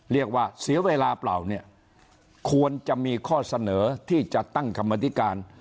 เรียกว่าเสียเวลาเปล่าเนี่ยควรจะมีข้อเสนอที่จะตั้งกรรมธิการ